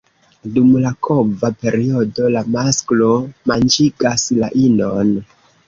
Dum la kova periodo, la masklo manĝigas la inon.